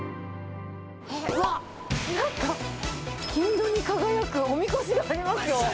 わっ、なんか、金色に輝くおみこしがありますよ。